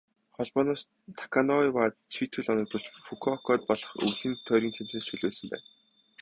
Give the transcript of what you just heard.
Холбооноос Таканоивад шийтгэл оногдуулж, Фүкүокад болох өвлийн тойргийн тэмцээнээс чөлөөлсөн байна.